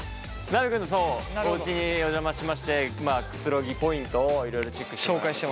なべくんのおうちにお邪魔しましてくつろぎポイントをいろいろチェックして。